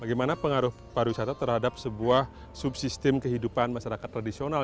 bagaimana pengaruh pariwisata terhadap sebuah subsistem kehidupan masyarakat tradisional